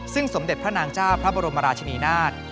ซึ่งสมเด็จพระนางเจ้าพระบรมราชนีนาฏ